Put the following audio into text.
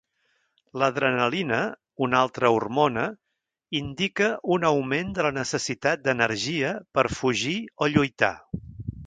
L'adrenalina, una altra hormona, indica un augment de la necessitat d'energia per fugir o lluitar.